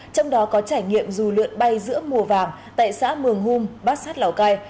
trong đó có trải nghiệm dù lượn bay giữa mùa vàng tại xã mường hung bát sát lào cai